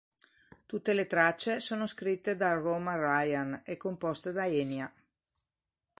Tutte le tracce sono scritte da Roma Ryan e composte da Enya.